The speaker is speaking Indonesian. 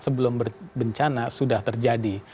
sebelum bencana sudah terjadi